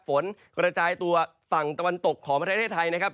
ฝนกระจายตัวฝั่งตะวันตกของประเทศไทยนะครับ